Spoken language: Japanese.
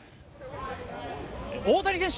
大谷選手